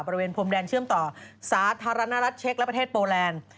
บริเวณพรมแดนเชื่อมต่อสาธารณรัฐเช็คและประเทศโปแลนด์